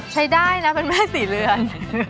ใช้ได้นะเป็นแม่ศรีเรือน